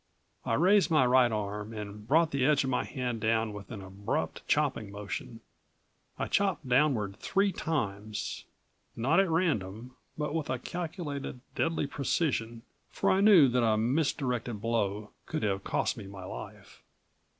I raised my right arm and brought the edge of my hand down with an abrupt, chopping motion. I chopped downward three times, not at random, but with a calculated, deadly precision, for I knew that a misdirected blow could have cost me my life.